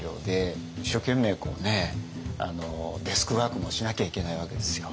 一生懸命デスクワークもしなきゃいけないわけですよ。